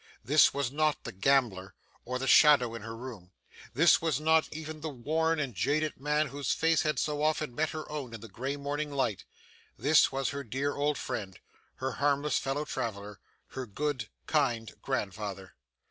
This was not the gambler, or the shadow in her room; this was not even the worn and jaded man whose face had so often met her own in the grey morning light; this was her dear old friend, her harmless fellow traveller, her good, kind grandfather.